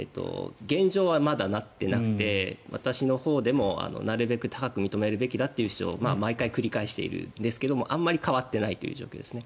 現状はまだなっていなくて私のほうでもなるべく高く認めるべきだという主張を毎回繰り返しているんですがあまり変わっていないという状況です。